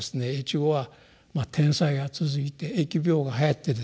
越後は天災が続いて疫病がはやってですね